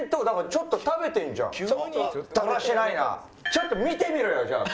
ちょっと見てみろよじゃあそれ。